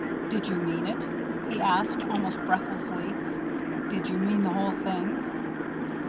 "Did you mean it?" he asked, almost breathlessly. "Did you mean the whole thing?"